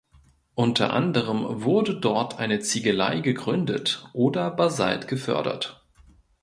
Unter anderem wurde dort eine Ziegelei gegründet oder Basalt gefördert.